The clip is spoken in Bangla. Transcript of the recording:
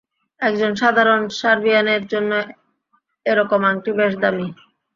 একজন সাধারণ সার্বিয়ানের জন্য এরকম আংটি বেশ দামী!